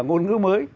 ngôn ngữ mới